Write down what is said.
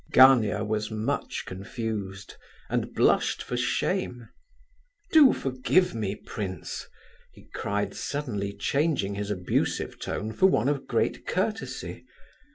Gania was much confused, and blushed for shame "Do forgive me, prince!" he cried, suddenly changing his abusive tone for one of great courtesy.